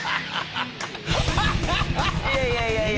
いやいやいやいやいや！